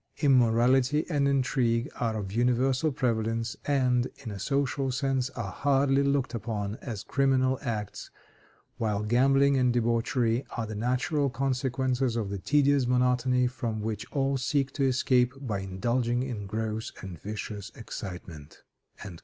Immorality and intrigue are of universal prevalence, and (in a social sense) are hardly looked upon as criminal acts, while gambling and debauchery are the natural consequences of the tedious monotony from which all seek to escape by indulging in gross and vicious excitement."